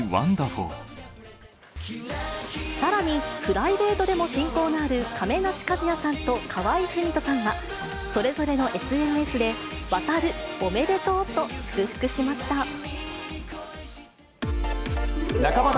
さらに、プライベートでも親交のある亀梨和也さんと河合郁人さんは、それぞれのＳＮＳで、わたる！おめでとうと祝福しました。